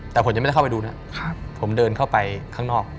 แต่ผมยังไม่ได้เข้าไปดูนะผมเดินเข้าไปข้างนอก